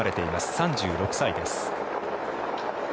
３６歳です。